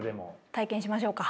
体験しましょうか。